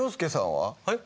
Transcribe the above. はい？